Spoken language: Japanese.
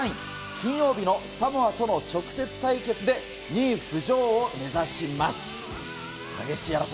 金曜日のサモアとの直接対決で、２位浮上を目指します。